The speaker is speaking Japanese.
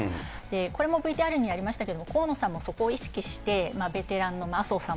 これもＶＴＲにありましたけれども、河野さんもそこを意識して、ベテランの麻生さん